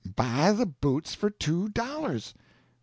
"Buy the boots for two dollars!"